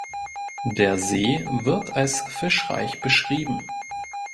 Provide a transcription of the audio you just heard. Der See wird als fischreich beschrieben.